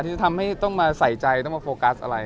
ที่ทำให้ต้องมาใส่ใจต้องมาโฟกัสอะไร